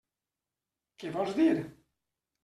Què vols dir?